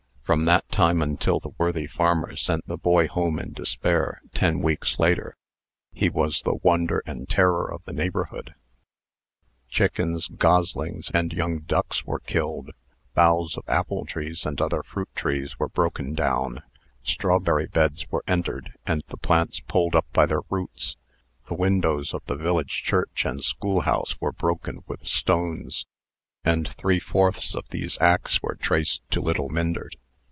From that time until the worthy farmer sent the boy home in despair ten weeks later he was the wonder and terror of the neighborhood. Chickens, goslings, and young ducks were killed; boughs of apple trees and other fruit trees were broken down; strawberry beds were entered, and the plants pulled up by the roots; the windows of the village church and schoolhouse were broken with stones; and three fourths of these acts were traced to little Myndert.